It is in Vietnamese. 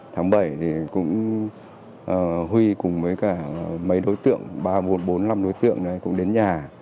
tháng bảy thì cũng huy cùng với cả mấy đối tượng ba bốn mươi năm đối tượng cũng đến nhà